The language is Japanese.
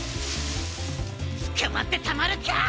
つかまってたまるかあ。